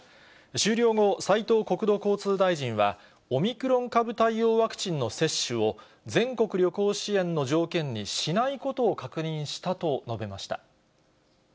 終了後、斉藤国土交通大臣は、オミクロン株対応ワクチンの接種を全国旅行支援の条件にしないことを確認したと述べました。